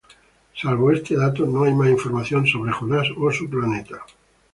Salvo este dato, no hay más información sobre Jonas, o su planeta.